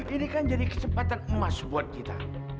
ini kan jadi kesempatan emas buat kita